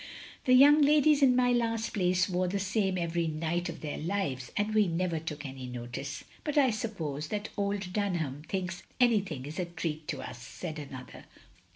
"The young ladies in my last place wore the same every night of their lives, and we never took any notice. But I suppose that old Dunham thinks anything is a treat to us, " said another.